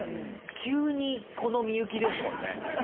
急にこのミユキですもんね。